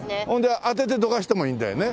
当ててどかせてもいいんだよね。